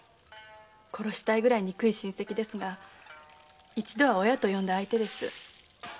殺したいぐらい憎い親戚ですが一度は親と呼んだ相手です。